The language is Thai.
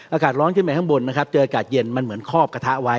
อากาศร้อนขึ้นไปข้างบนนะครับเจออากาศเย็นมันเหมือนคอบกระทะไว้